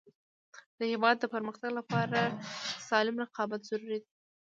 د هیواد د پرمختګ لپاره سالم رقابت ضروري دی.